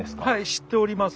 知っております。